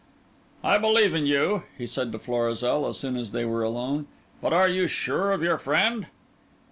"I believe in you," he said to Florizel, as soon as they were alone; "but are you sure of your friend?"